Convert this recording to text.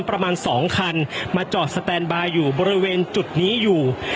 ประมาณ๒คันมาจอดสแตนบายอยู่บริเวณจุดนี้อยู่